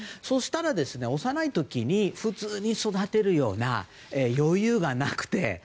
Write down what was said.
そしたら、幼い時に普通に育てるような余裕がなくて。